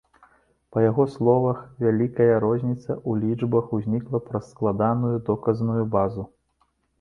Па яго словах, вялікая розніца ў лічбах узнікла праз складаную доказную базу.